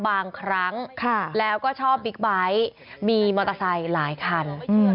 บางครั้งแล้วก็ชอบบิ๊กไบท์มีมอเตอร์ไซค์หลายคัน